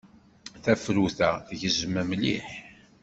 Tafrut-a tgezzem mliḥ.